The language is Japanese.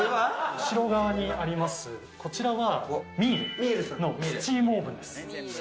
後ろにあるこちらは、ミーレのスチームオーブンです。